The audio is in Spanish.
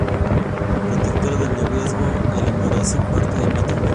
Protectora del noviazgo, el embarazo, parto y el matrimonio.